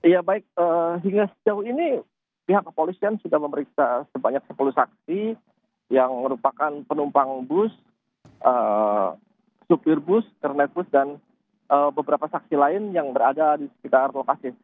ya baik hingga sejauh ini pihak kepolisian sudah memeriksa sebanyak sepuluh saksi yang merupakan penumpang bus supir bus kernet bus dan beberapa saksi lain yang berada di sekitar lokasi